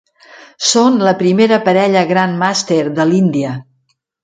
Són la primera parella Grandmaster de l'Índia.